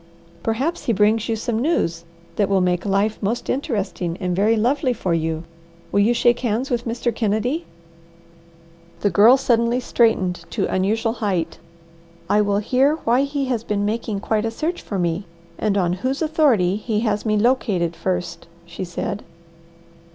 "Perhaps he brings you some news that will make life most interesting and very lovely for you. Will you shake hands with Mr. Kennedy?" The Girl suddenly straightened to unusual height. "I will hear why he has been making 'quite a search for me,' and on whose authority he has me 'located,' first," she said.